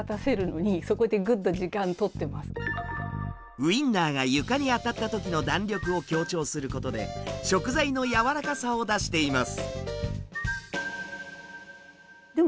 ウインナーが床に当たった時の弾力を強調することで食材の柔らかさを出しています。